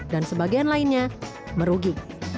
dan sebagian lainnya merugi